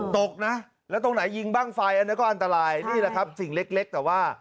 ตกนะแล้วตรงไหนยิงบ้างไฟอันนั้นก็อันตรายนี่แหละครับสิ่งเล็กแต่ว่า